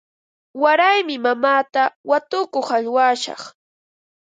Waraymi mamaata watukuq aywashaq.